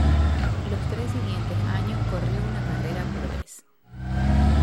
Los tres siguientes años, corrió una carrera por vez.